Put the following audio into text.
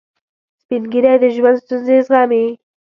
سپین ږیری د ژوند ستونزې زغمي